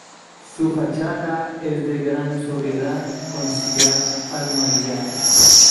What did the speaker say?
Su fachada es de gran sobriedad con sillar almohadillado.